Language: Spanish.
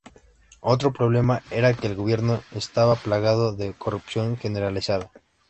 Otro problema era que el gobierno estaba plagado de corrupción generalizada.